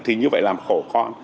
thì như vậy làm khổ con